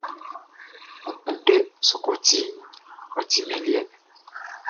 N kunndɛ sɔkɔti, ɔ ti min liɛ!